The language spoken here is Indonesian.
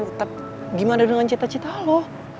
tetap gimana dengan cita cita lo